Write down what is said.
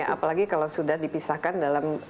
apalagi kalau sudah dipisahkan dalam